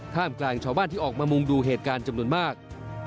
กลางชาวบ้านที่ออกมามุงดูเหตุการณ์จำนวนมาก